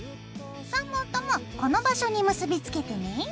３本ともこの場所に結びつけてね。